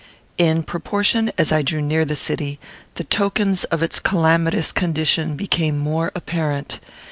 In proportion as I drew near the city, the tokens of its calamitous condition became more apparent.